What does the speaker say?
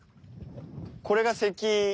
これが関？